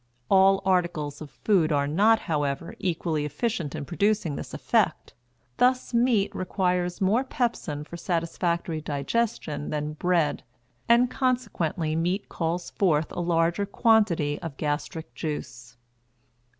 All articles of food are not, however, equally efficient in producing this effect: thus meat requires more pepsin for satisfactory digestion than bread, and consequently meat calls forth a larger quantity of gastric juice.